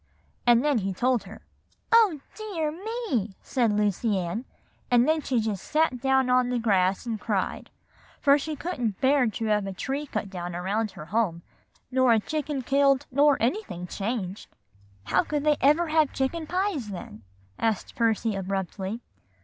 And then he told her. "'Oh, dear me!' said Lucy Ann; and then she just sat down on the grass and cried; for she couldn't bear to have a tree cut down around her home, nor a chicken killed, nor anything changed." "How could they ever have chicken pies, then?" asked Percy abruptly.